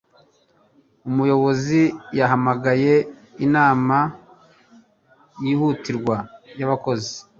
Umuyobozi yahamagaye inama yihutirwa y'abakozi.